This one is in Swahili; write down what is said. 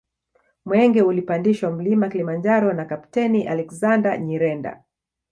Mwenge ulipandishwa Mlima Kilimanjaro na Kapteni Alexander Nyirenda